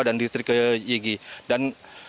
dan distrik yigi dan